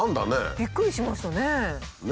びっくりしましたね。